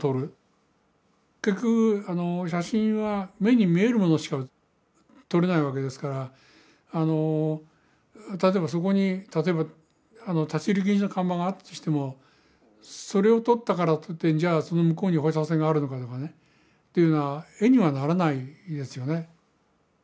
結局写真は目に見えるものしか撮れないわけですから例えばそこに例えば立入禁止の看板があったとしてもそれを撮ったからといってじゃあその向こうに放射線があるのかとかねというのは画にはならないですよね。